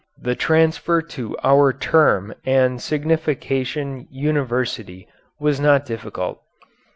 The transfer to our term and signification university was not difficult.